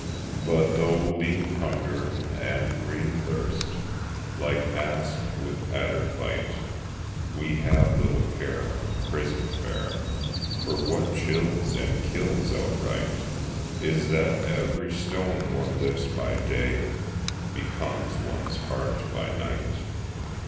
But though lean Hunger and green Thirst Like asp with adder fight, We have little care of prison fare, For what chills and kills outright Is that every stone one lifts by day Becomes one's heart by night.